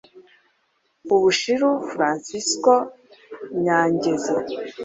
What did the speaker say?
Ubushiru Fransisko Nyangezi